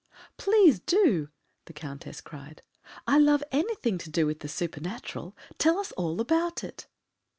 "Please do!" the Countess cried. "I love anything to do with the supernatural. Tell us all about it."